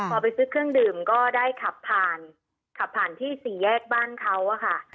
พอไปซื้อเครื่องดื่มก็ได้ขับผ่านที่๔แยกบ้านเขาค่ะ